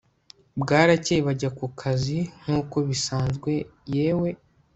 Bwarakeye bajya kukazi nkuko bisanzwe yewe